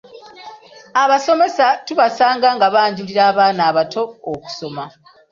Abasomesa tubasanga nga banjulira abaana abato okusoma.